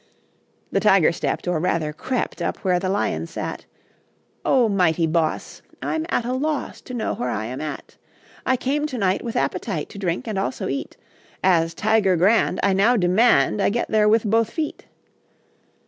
The Tiger stepped, Or, rather, crept, Up where the Lion sat. "O, mighty boss I'm at a loss To know where I am at. I came to night With appetite To drink and also eat; As a Tiger grand, I now demand, I get there with both feet."